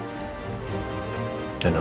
aku bilang ke dia